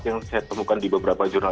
yang saya temukan di beberapa jurnal